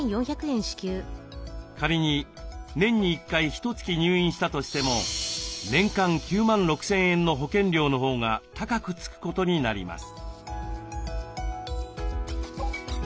仮に年に１回ひとつき入院したとしても年間９万６，０００円の保険料のほうが高くつくことになります。